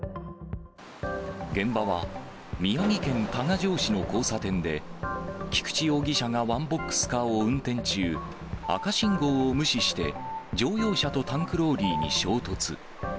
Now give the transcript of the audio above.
現場は宮城県多賀城市の交差点で、菊地容疑者がワンボックスカーを運転中、赤信号を無視して、乗用車とタンクローリーに衝突。